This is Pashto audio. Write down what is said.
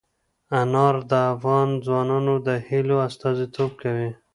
انار د افغان ځوانانو د هیلو استازیتوب کوي.